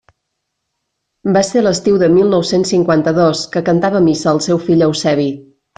Va ser l'estiu de mil nou-cents cinquanta-dos, que cantava missa el seu fill Eusebi.